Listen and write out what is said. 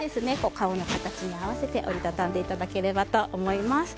顔の形に合わせて折り畳んでいただければと思います。